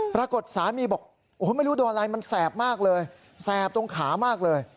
สามีบอกโอ้โหไม่รู้โดนอะไรมันแสบมากเลยแสบตรงขามากเลย